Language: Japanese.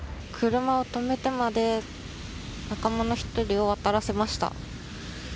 車を止めてまで仲間の１人を渡らせました。